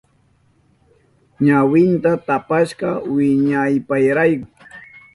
Ñawinta tapashka wiñaypayrayku.